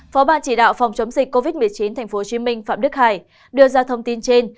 phó ban chỉ đạo phòng chống dịch covid một mươi chín tp hcm phạm đức hải đưa ra thông tin trên